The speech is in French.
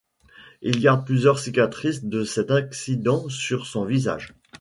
Il garde plusieurs cicatrices de cet accident sur son visage.